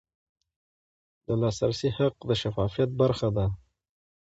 د لاسرسي حق د شفافیت برخه ده.